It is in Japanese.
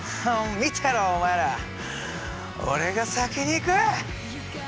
見てろお前ら。俺が先に行く！